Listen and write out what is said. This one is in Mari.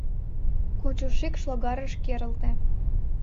Кочо шикш логарыш керылте.